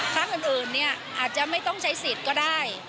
ครั้งอื่นอาจจะไม่ต้องใช้สิทธิ์ก็ได้